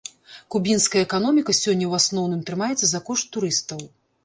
Кубінская эканоміка сёння ў асноўным трымаецца за кошт турыстаў.